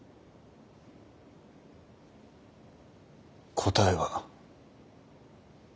答えは。